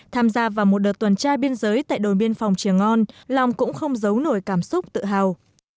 tham gia vào một đợt tuần trai biên giới tại đồn biên phòng trà ngon long cũng không giấu nổi cảm xúc tự hào